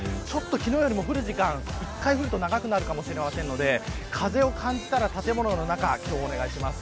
昨日よりも降る時間１回降ると長くなるかもしれませんので風を感じたら建物の中にお願いします。